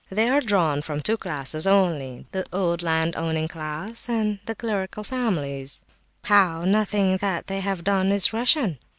They are drawn from two classes only, the old landowning class, and clerical families—" "How, nothing that they have done is Russian?"